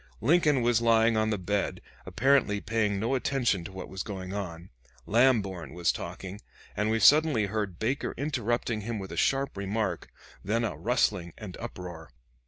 Lincoln was lying on the bed, apparently paying no attention to what was going on. Lamborn was talking, and we suddenly heard Baker interrupting him with a sharp remark, then a rustling and uproar.